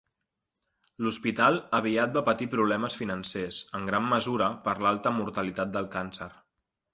L'hospital aviat va patir problemes financers, en gran mesura per l'alta mortalitat del càncer.